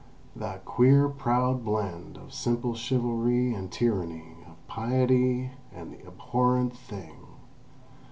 That queer proud blend of simple chivalry and tyranny, of piety and the abhorrent thing!